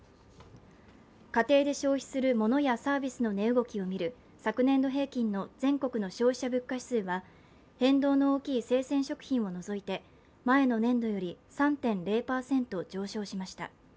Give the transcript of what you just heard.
家庭で消費するモノやサービスの値動きを見る昨年度平均の全国の消費者物価指数は変動の大きい生鮮食品を除いて前の年度より３．０％上昇しました。